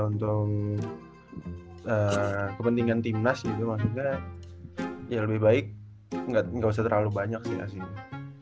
kalau kepentingan timnas gitu maksudnya ya lebih baik gak usah terlalu banyak sih asingnya